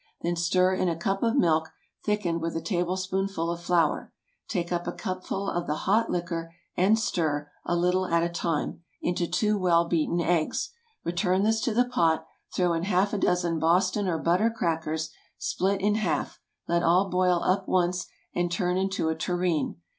Then stir in a cup of milk, thickened with a tablespoonful of flour; take up a cupful of the hot liquor, and stir, a little at a time, into two well beaten eggs. Return this to the pot, throw in half a dozen Boston or butter crackers, split in half; let all boil up once, and turn into a tureen.